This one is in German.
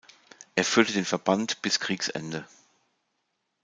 Er führte den Verband bis Kriegsende.